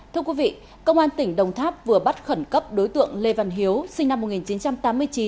thưa quý vị công an tỉnh đồng tháp vừa bắt khẩn cấp đối tượng lê văn hiếu sinh năm một nghìn chín trăm tám mươi chín